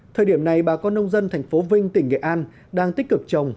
thời điểm này bà con nông dân tp vinh tỉnh nghệ an đang tích cực trồng